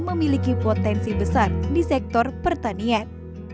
memiliki potensi besar di sektor pertanian